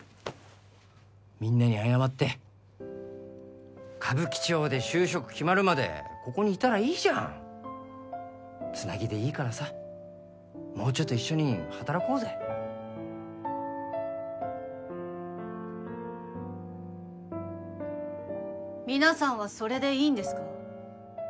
みんなに謝って歌舞伎町で就職決まるまでここにいたらいいじゃんつなぎでいいからさもうちょっと一緒に働こうぜ皆さんはそれでいいんですか？